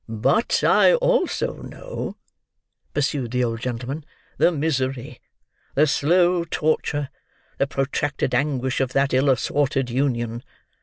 "But I also know," pursued the old gentleman, "the misery, the slow torture, the protracted anguish of that ill assorted union.